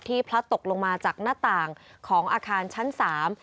พลัดตกลงมาจากหน้าต่างของอาคารชั้นสาม